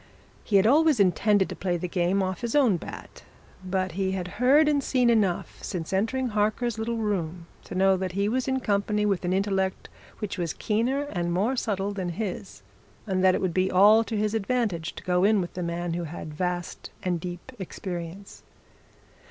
He had always intended to play the game off his own bat, but he had heard and seen enough since entering Harker's little room to know that he was in company with an intellect which was keener and more subtle than his, and that it would be all to his advantage to go in with the man who had vast and deep experience.